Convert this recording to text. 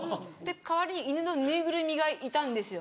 代わりに犬のぬいぐるみがいたんですよ。